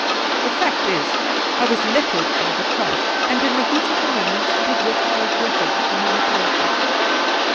The fact is I was nettled by the ehaff, and in the heat of the moment did what I regretted a minute later.